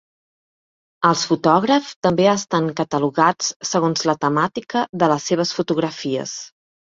Els fotògrafs també estan catalogats segons la temàtica de les seves fotografies.